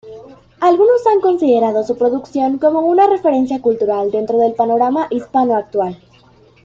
Algunos han considerado su producción como una referencia cultural dentro del panorama hispano actual.